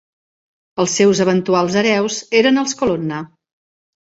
Els seus eventuals hereus eren els Colonna.